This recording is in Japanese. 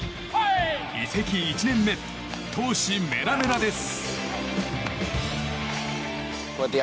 移籍１年目、闘志メラメラです。